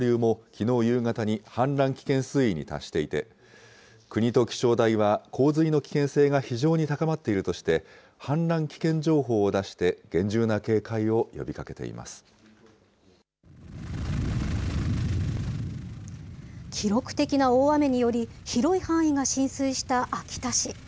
雄物川上流もきのう夕方に氾濫危険水位に達していて、国と気象台は洪水の危険性が非常に高まっているとして、氾濫危険情報を出し記録的な大雨により、広い範囲が浸水した秋田市。